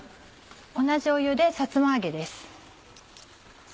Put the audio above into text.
同じ湯でさつま揚げです。